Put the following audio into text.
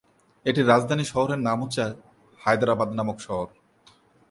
এটির রাজধানী শহরের নাম হচ্ছে হায়দ্রাবাদ নামক শহর।